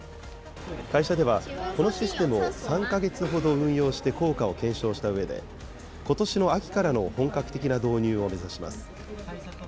会社では、このシステムを３か月ほど運用して効果を検証したうえで、ことしの秋からの本格的な導入を目指します。